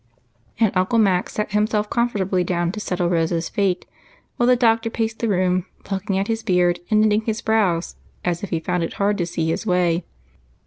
And Uncle Mac sat himself comfortably down to settle Rose's fate while the doctor paced the room, plucking at his beard and knitting his brows as if he found it hard to see his way.